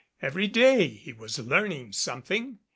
Every day he was learning something.